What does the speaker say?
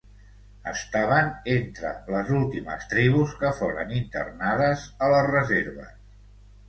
Estaven entre les últimes tribus que foren internades a les reserves.